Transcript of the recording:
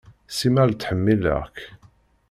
Simmal ttḥemmileɣ-k.